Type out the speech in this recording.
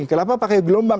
kenapa pakai gelombang